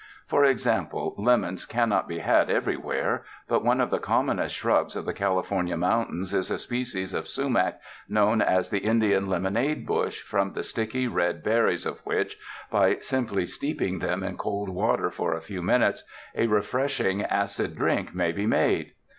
For example, lemons cannot be had everywhere, but one of the commonest shrubs of the California moun tains is a species of sumac known as the Indian lemonade bush from the sticky, red berries of which, by simply steeping them in cold water for a few minutes, a refreshing acid drink may be made.